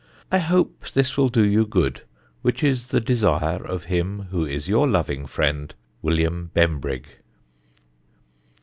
I hope this will do you good, which is the desire of him who is your loving friend, "WM. BENBRIGG."